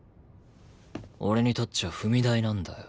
俺にとっちゃ踏み台なんだよ。